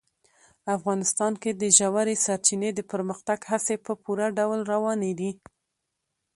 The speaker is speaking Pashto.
افغانستان کې د ژورې سرچینې د پرمختګ هڅې په پوره ډول روانې دي.